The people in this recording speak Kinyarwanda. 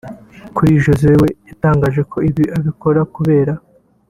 Kuri Josee we yatangaje ko ibi abikora kubera